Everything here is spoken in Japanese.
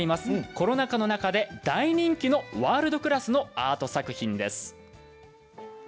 コロナ禍の中で大人気のワールドクラスのアート作品です。